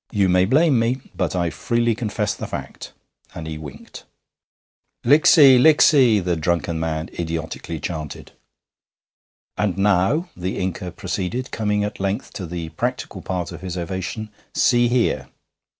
You may blame me, but I freely confess the fact;' and he winked. 'Licksy! Licksy!' the drunken man idiotically chanted. 'And now,' the Inca proceeded, coming at length to the practical part of his ovation, 'see here!'